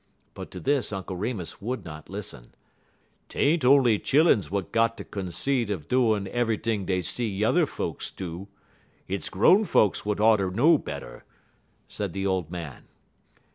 But to this Uncle Remus would not listen. "'T ain't on'y chilluns w'at got de consate er doin' eve'ything dey see yuther folks do. Hit's grown folks w'at oughter know better," said the old man.